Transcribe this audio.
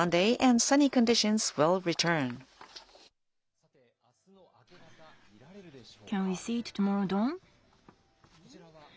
さて、あすの明け方、見られるでしょうか。